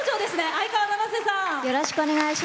相川七瀬さん。